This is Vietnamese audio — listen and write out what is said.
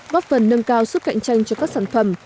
góp phần nâng cao sức cạnh tranh cho các sản phẩm